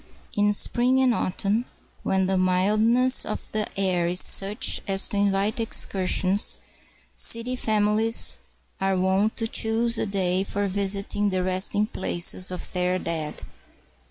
In spring and autumn, when the mildness of the air is such as to invite excursions, city famihes are wont to choose a day for visiting the resting places of their dead.